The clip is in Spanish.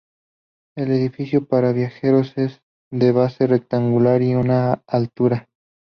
El edificio para viajeros es de base rectangular y una altura.